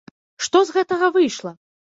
Што з гэтага выйшла?